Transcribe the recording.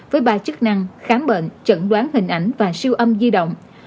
với ba chức năng khám bệnh trần đoán hình ảnh và siêu âm di động